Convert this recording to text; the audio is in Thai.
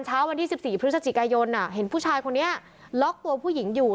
เช้าวันที่๑๔พฤศจิกายนเห็นผู้ชายคนนี้ล็อกตัวผู้หญิงอยู่